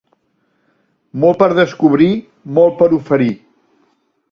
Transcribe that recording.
Molt per descobrir, molt per oferir.